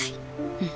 うん。